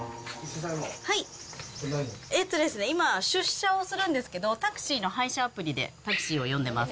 えっとですね、今、出社をするんですけど、タクシーの配車アプリでタクシーを呼んでます。